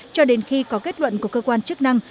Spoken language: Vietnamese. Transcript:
cho đến khi có kết luận của cơ quan chức năng